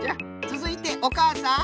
つづいておかあさん。